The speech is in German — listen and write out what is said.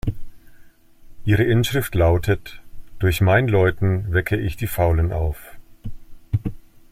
Ihre Inschrift lautet: „Durch mein Läuten wecke ich die Faulen auf“.